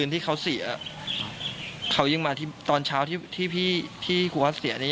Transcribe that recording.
ที่เขาเสียเขายังมาที่ตอนเช้าที่ที่พี่ที่ครูออสเสียเนี้ย